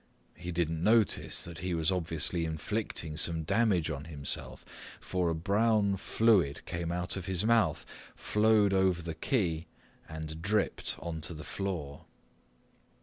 He didn't notice that he was obviously inflicting some damage on himself, for a brown fluid came out of his mouth, flowed over the key, and dripped onto the floor.